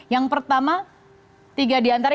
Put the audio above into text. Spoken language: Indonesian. yang pertama tiga diantara